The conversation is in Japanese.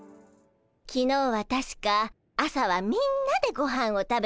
きのうはたしか朝はみんなでごはんを食べたわよね。